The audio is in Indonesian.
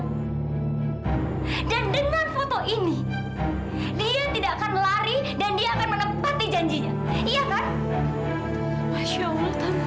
hai dan dengan foto ini dia tidak akan lari dan dia akan menepati janjinya iya kan masya allah tante